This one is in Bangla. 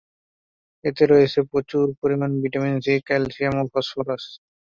এতে রয়েছে প্রচুর পরিমাণে ভিটামিন সি, ক্যালসিয়াম ও ফসফরাস।